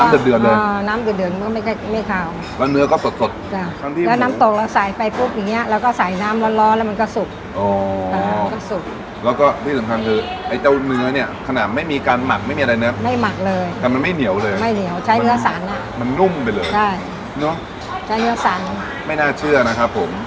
ไม่เหนียวเลยไม่เหนียวใช้เนื้อศรรย์นะมันนุ่มไปเลยใช่ใช่เนื่องสรรไม่น่าเชื่อนะครับผม